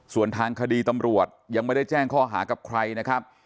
ส่วนทางคดีตำรวจยังไม่ได้แจ้งข้อหากับใครนะครับ